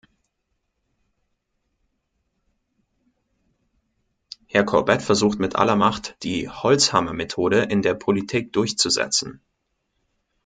Herr Corbett versucht mit aller Macht, die Holzhammermethode in der Politik durchzusetzen.